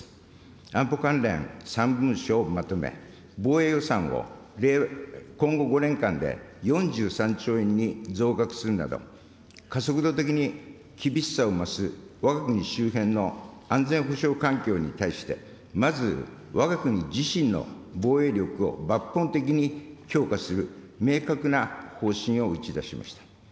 安保関連３文書をまとめ、防衛予算を今後５年間で４３兆円に増額するなど、加速度的に厳しさを増すわが国周辺の安全保障環境に対して、まずわが国自身の防衛力を抜本的に強化する明確な方針を打ち出しました。